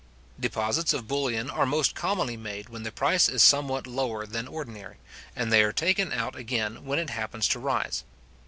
Deposits of bullion are most commonly made when the price is somewhat lower than ordinary, and they are taken out again when it happens to rise.